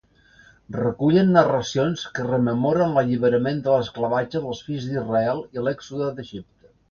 Recullen narracions que rememoren l'alliberament de l'esclavatge dels fills d'Israel i l'Èxode d'Egipte.